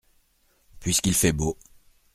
Puisqu’il fait beau.